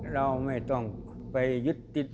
เราไม่ต้องไปยึดติด